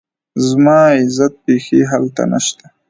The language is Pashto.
زما عزت بيخي هلته نشته